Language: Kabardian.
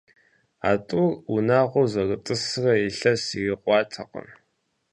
А тӀур унагъуэу зэрытӀысрэ илъэс ирикъуатэкъым.